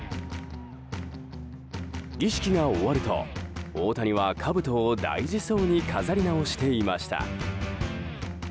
儀式が終わると、大谷はかぶとを大事そうに飾り直していました。